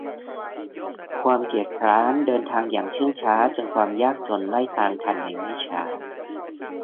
ความเกียจคร้านเดินทางอย่างเชื่องช้าจนความยากจนไล่ตามทันในไม่ช้า